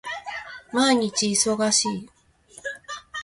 毎日忙しい